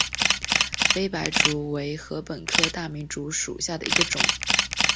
菲白竹为禾本科大明竹属下的一个种。